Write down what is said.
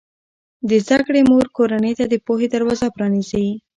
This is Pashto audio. د زده کړې مور کورنۍ ته د پوهې دروازه پرانیزي.